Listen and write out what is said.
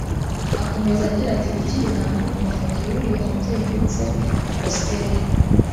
Akomeza agira ati “ Ikindi navuga ku mafoto y’uriya mubyeyi ndetse na positeri